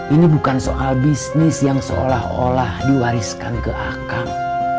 ini bukan soal bisnis yang seolah olah diwariskan ke akar